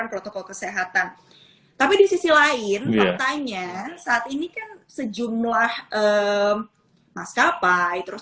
protokol kesehatan tapi di sisi lain faktanya saat ini kan sejumlah maskapai terus